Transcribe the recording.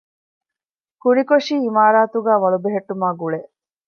ކުނިކޮށި އިމާރާތުގައި ވަޅު ބެހެއްޓުމާގުޅޭ